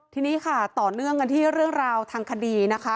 ทีนี้ค่ะต่อเนื่องกันที่เรื่องราวทางคดีนะคะ